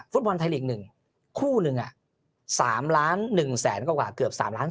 ฟุตบอลไทยลีก๑คู่หนึ่ง๓ล้าน๑แสนกว่าเกือบ๓ล้าน